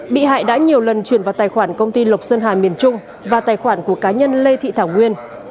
bị hại đã nhiều lần chuyển vào tài khoản công ty lộc sơn hà miền trung và tài khoản của cá nhân lê thị thảo nguyên